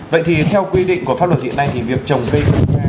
vậy thì theo quy định của pháp luật hiện nay thì việc trồng cây quốc gia